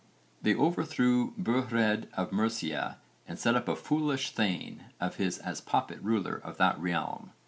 They overthrew Burhred of Mercia and set up a foolish thegn of his as puppet ruler of that realm.